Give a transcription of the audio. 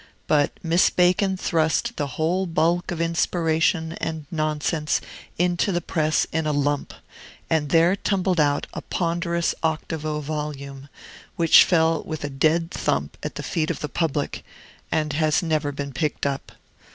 But Miss Bacon thrust the whole bulk of inspiration and nonsense into the press in a lump, and there tumbled out a ponderous octavo volume, which fell with a dead thump at the feet of the public, and has never been picked up.